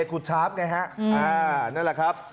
เล็กคุดชาร์ฟไงฮะ